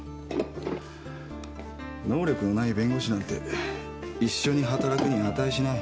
能力のない弁護士なんて一緒に働くに値しない。